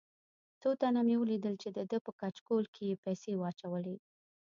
څو تنه مې ولیدل چې دده په کچکول کې یې پیسې واچولې.